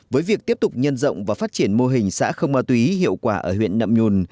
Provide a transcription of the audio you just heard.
với việc tiếp tục nhân rộng và phát triển mô hình xã không ma túy hiệu quả ở huyện nậm nhùn